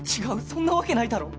そんなわけないだろ。